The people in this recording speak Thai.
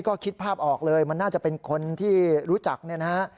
ก็คิดภาพออกเลยมันน่าจะเป็นคนที่รู้จักเนี่ยนะฮะ